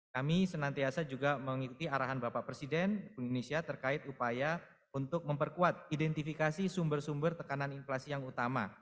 kami senantiasa juga mengikuti arahan bapak presiden indonesia terkait upaya untuk memperkuat identifikasi sumber sumber tekanan inflasi yang utama